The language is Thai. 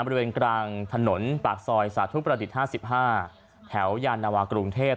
บริเวณกลางถนนปากซอยสาธุประดิษฐ์๕๕แถวยานวากรุงเทพ